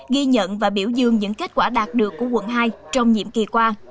ghi nhận và biểu dương những kết quả đạt được của quận hai trong nhiệm kỳ qua